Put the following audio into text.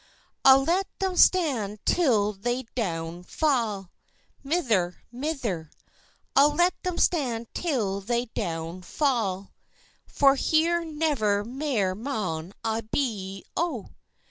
"I'll let them stand till they doun fa', Mither, mither; I'll let them stand till they doun fa', For here never mair maun I be, O."